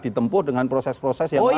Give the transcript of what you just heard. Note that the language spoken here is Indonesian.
ditempuh dengan proses proses yang panjang